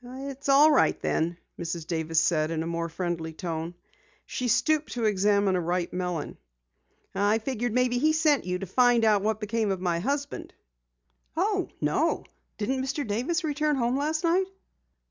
"It's all right then," Mrs. Davis said in a more friendly tone. She stooped to examine a ripe melon. "I figured maybe he sent you to find out what became of my husband." "Oh, no! Didn't Mr. Davis return home last night?"